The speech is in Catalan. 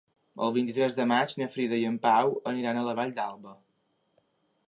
El vint-i-tres de maig na Frida i en Pau aniran a la Vall d'Alba.